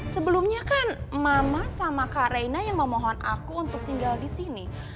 sebelumnya kan mama sama kak reina yang memohon aku untuk tinggal di sini